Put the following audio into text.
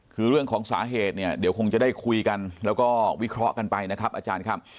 คือเรื่องของสาเหตุเนี่ยเดี๋ยวคงจะได้คุยกันแล้วก็วิเคราะห์กันไปนะครับอาจารย์ครับ